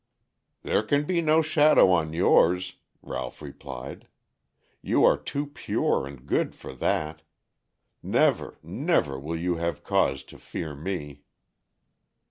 "There can be no shadow on yours," Ralph replied. "You are too pure and good for that. Never, never will you have cause to fear me."